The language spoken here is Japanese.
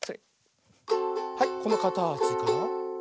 はいこのかたちから。